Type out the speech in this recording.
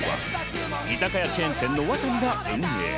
居酒屋チェーン店のワタミが運営。